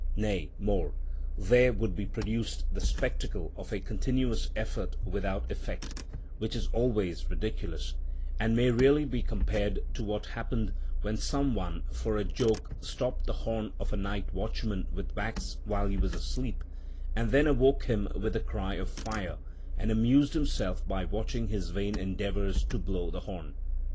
Nay more, there would be produced the spectacle of a continuous effort without effect, which is always ridiculous, and may really be compared to what happened when some one for a joke stopped the horn of a night watchman with wax while he was asleep, and then awoke him with the cry of fire, and amused himself by watching his vain endeavours to blow the horn.